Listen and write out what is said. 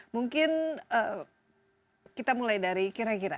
mungkin kita mulai dari kira kira